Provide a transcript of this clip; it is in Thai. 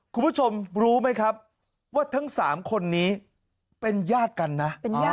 คุณผู้ชมรู้ไหมครับว่าทั้ง๓คนนี้เป็นญาติกันนะ